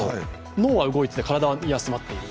脳は動いていて体は休まっている。